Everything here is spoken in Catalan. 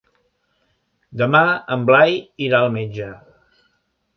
Demà en Blai irà al metge.